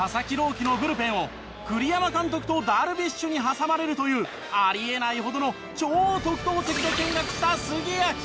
希のブルペンを栗山監督とダルビッシュに挟まれるというあり得ないほどの超特等席で見学した杉谷記者。